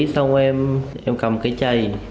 xong rồi em cầm cái chày